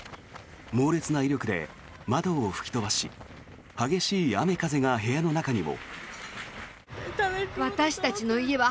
猛烈な威力で窓を吹き飛ばし激しい雨風が部屋の中にも。